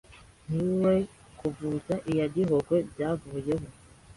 ni we kuvuza iya Gihogwe byavuyeho